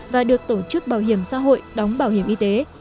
và được tổ chức bảo hiểm xã hội đóng bảo hiểm y tế